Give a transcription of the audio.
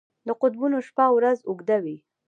د قطبونو شپه او ورځ اوږده وي.